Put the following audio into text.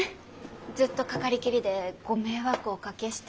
ずっとかかりっきりでご迷惑おかけして。